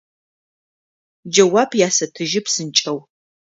Джэуап ясэтыжьы псынкӏэу…